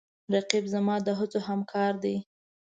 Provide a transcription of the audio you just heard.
رقیب زما د هڅو همکار دی